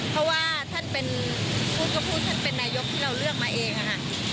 เพราะว่าท่านเป็นผู้ก็พูดท่านเป็นนายกที่เราเลือกมาเองค่ะ